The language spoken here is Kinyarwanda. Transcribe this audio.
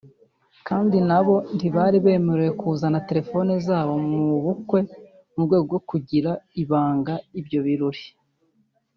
Kandi na bo ntibari bemerewe kuzana terefone zabo mu bukwe mu rwego rwo kugira ibanga ibyo birori